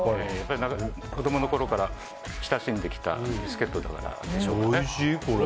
子供のころから親しんできたビスケットでしょうからね。